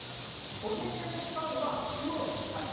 個人戦で使うのは中央の２つ。